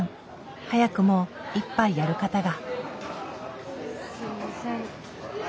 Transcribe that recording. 早くも１杯やる方が。